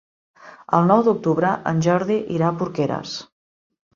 El nou d'octubre en Jordi irà a Porqueres.